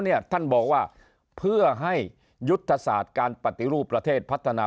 เนี่ยท่านบอกว่าเพื่อให้ยุทธศาสตร์การปฏิรูปประเทศพัฒนา